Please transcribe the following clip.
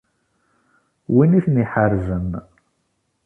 Win i ten-iḥerzen.